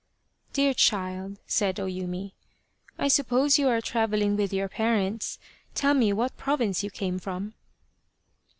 " Dear child," said O Yumi, " I suppose you are travelling with your parents. Tell me what province you came from